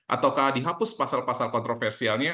ataukah dihapus pasal pasal kontroversialnya